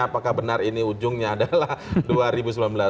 apakah benar ini ujungnya adalah dua ribu sembilan belas